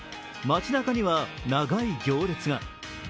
街なかには、長い行列が。